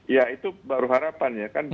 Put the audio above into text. ya itu baru harapan ya kan